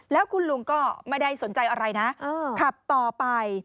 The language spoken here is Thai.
แล้วคุณลุงก็ไม่ได้สนใจอะไรนะขับต่อไป